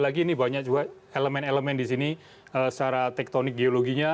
lagi ini banyak juga elemen elemen di sini secara tektonik geologinya